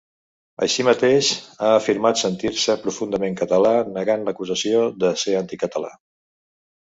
Així mateix, ha afirmat sentir-se profundament català, negant l'acusació de ser anticatalà.